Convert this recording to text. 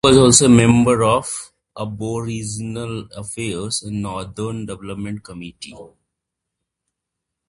He was also a member of the Aboriginal Affairs and Northern Development committee.